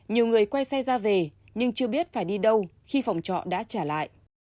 nhiều người quay xe ra về nhưng chưa biết phải đi đâu khi phòng trọ đã trả lại